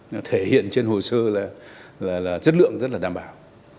nó thể hiện trên hồ sơ là chất lượng rất là đảm bảo